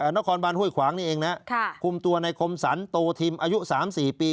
นครบานห้วยขวางนี่เองนะคุมตัวในคมสรรโตทิมอายุ๓๔ปี